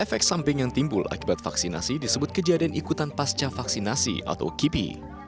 efek samping yang timbul akibat vaksinasi disebut kejadian ikutan pasca vaksinasi atau kipi